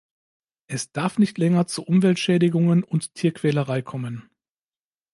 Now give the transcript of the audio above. Es darf nicht länger zu Umweltschädigungen und Tierquälerei kommen.